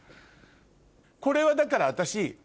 これはだから私。